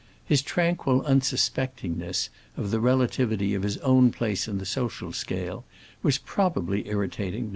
His tranquil unsuspectingness of the relativity of his own place in the social scale was probably irritating to M.